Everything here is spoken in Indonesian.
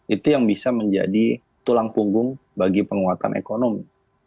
itu yang bisa menjadi tulang punggung bagi penguatan ekonomi